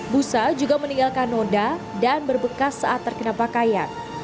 busa juga meninggalkan noda dan berbekas saat terkena pakaian